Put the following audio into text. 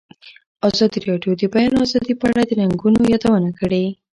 ازادي راډیو د د بیان آزادي په اړه د ننګونو یادونه کړې.